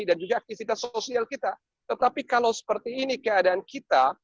dan juga aktivitas sosial kita tetapi kalau seperti ini keadaan kita